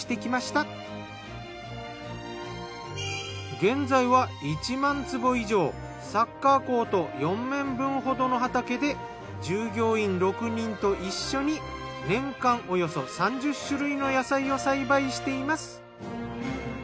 現在は１万坪以上サッカーコート４面分ほどの畑で従業員６人と一緒に年間およそ３０種類の野菜を栽培しています。